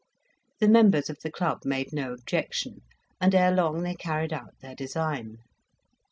The members of the club made no objection, and ere long they carried out their design.